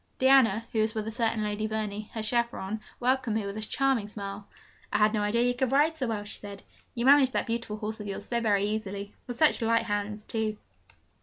Diana, who was with a certain Lady Verney, her chaperon, welcomed me with a charming smile. 'I had no idea you could ride so well,' she said, 'you manage that beautiful horse of yours so very easily with such light hands, too.'